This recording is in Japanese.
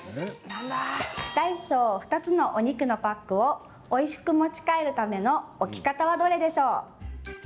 大小２つのお肉のパックをおいしく持ち帰るための置き方はどれでしょう？